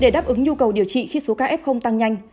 để đáp ứng nhu cầu điều trị khi số ca f tăng nhanh